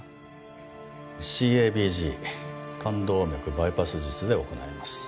ＣＡＢＧ冠動脈バイパス術で行います。